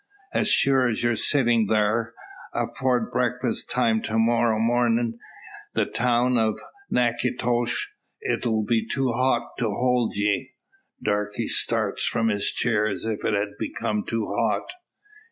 As sure as you're sittin' thar, afore breakfast time to morrow mornin' the town of Naketosh 'll be too hot to hold ye." Darke starts from his chair, as if it had become too hot.